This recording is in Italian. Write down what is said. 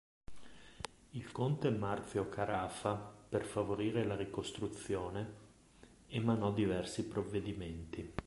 Il conte Marzio Carafa, per favorire la ricostruzione, emanò diversi provvedimenti.